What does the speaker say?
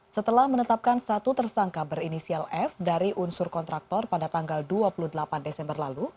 setelah menetapkan satu tersangka berinisial f dari unsur kontraktor pada tanggal dua puluh delapan desember lalu